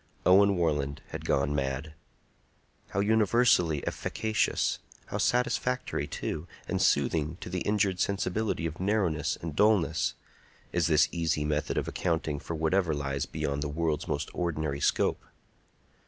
Owen Warland had gone mad! How universally efficacious—how satisfactory, too, and soothing to the injured sensibility of narrowness and dulness—is this easy method of accounting for whatever lies beyond the world's most ordinary scope!